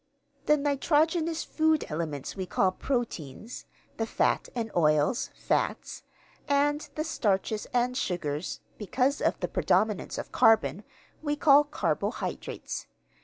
The nitrogenous food elements we call proteins; the fats and oils, fats; and the starches and sugars (because of the predominance of carbon), we call carbohydrates.